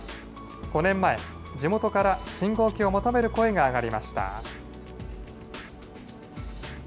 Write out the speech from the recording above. ５年前、地元から信号機を求める声が上がりました。